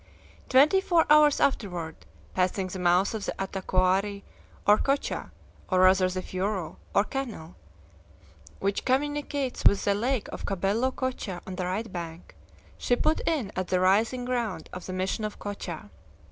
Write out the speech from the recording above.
Twenty four hours afterward, passing the mouths of the Atacoari or Cocha or rather the "furo," or canal, which communicates with the lake of Cabello Cocha on the right bank she put in at the rising ground of the mission of Cocha.